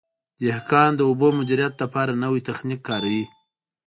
دهقان د اوبو د مدیریت لپاره نوی تخنیک کاروي.